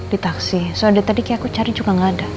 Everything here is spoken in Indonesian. di taksi soal tadi kayak aku cari juga nggak ada